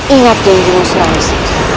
ingat dengan jelas